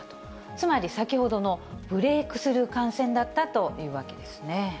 つまり先ほどの、ブレークスルー感染だったというわけなんですね。